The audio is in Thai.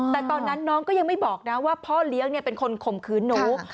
แต่ตอนนั้นน้องก็ยังไม่บอกนะว่าพ่อเลี้ยงเป็นคนข่มขืนหนู